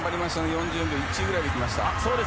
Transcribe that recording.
４０秒１くらいでいきました。